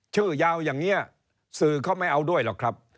ชื่อยาวอย่างนี้สื่อเขาไม่เอาด้วยหรอกครับ